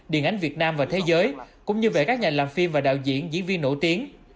điện ảnh việt nam và thế giới cũng như về các nhà làm phim và đạo diễn diễn viên nổi tiếng